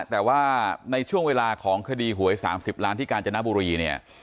แต่ว่าในช่วงเวลาของคดีหวย๓๐ล้านที่กาญจนบุรีเนี่ย